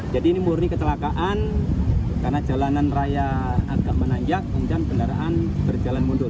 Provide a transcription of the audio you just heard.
jadi ini murni kecelakaan karena jalanan raya agak menanjak dan kendaraan berjalan mundur